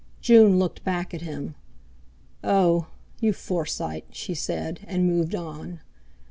June looked back at him. "Oh! You Forsyte!" she said, and moved on.